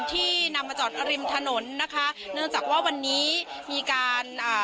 ที่นำมาจอดริมถนนนะคะเนื่องจากว่าวันนี้มีการอ่า